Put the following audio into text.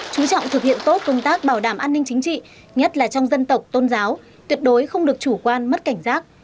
chú trọng thực hiện tốt công tác bảo đảm an ninh chính trị nhất là trong dân tộc tôn giáo tuyệt đối không được chủ quan mất cảnh giác